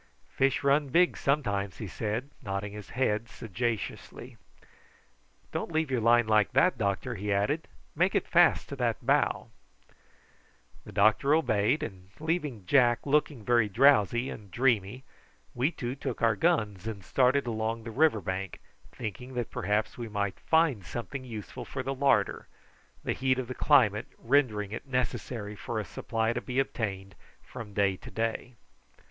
"Fish run big, sometimes," he said, nodding his head sagaciously. "Don't leave your line like that, doctor," he added; "make it fast to that bough." The doctor obeyed, and leaving Jack looking very drowsy and dreamy we two took our guns and started along the river bank, thinking that perhaps we might find something useful for the larder, the heat of the climate rendering it necessary for a supply to be obtained from day to day.